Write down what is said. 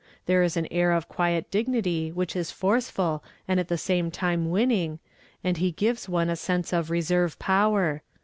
There is an air of quiet dignity which is forceful and at the same time winning, and he gives one a sense of reserve power.